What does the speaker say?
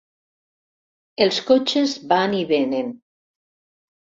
Els cotxes van i vénen.